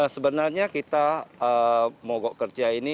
sebenarnya kita mogok kerja ini